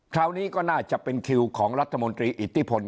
คราวนี้ก็น่าจะเป็นคิวของรัฐมนตรีอิทธิพล